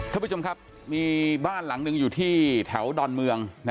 ท่านผู้ชมครับมีบ้านหลังหนึ่งอยู่ที่แถวดอนเมือง